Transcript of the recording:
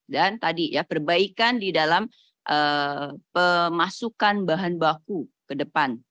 dan tadi ya perbaikan di dalam pemasukan bahan baku ke depan